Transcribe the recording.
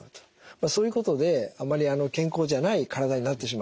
まあそういうことであまり健康じゃない体になってしまうんですね。